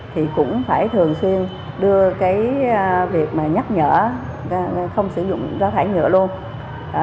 thì cũng phải thường xuyên đưa cái việc mà nhắc nhở không sử dụng rác thải nhựa luôn